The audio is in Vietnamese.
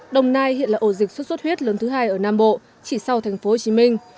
đồng nai hiện là ổ dịch xuất xuất huyết lớn thứ hai ở nam bộ chỉ sau thành phố hồ chí minh